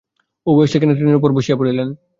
উভয়ে সেইখানে তৃণের উপর বসিয়া পড়িলেন।